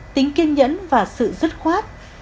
tính kiên nhẫn và sự dứt khoát